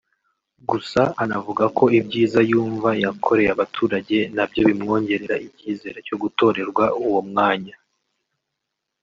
Gusa anavuga ko ibyiza yumva yakoreye abaturage na byo bimwongerera icyizere cyo gutorerwa uwo mwanya